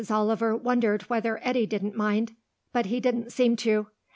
Oliver wondered whether Eddy didn't mind, but he didn't seem to.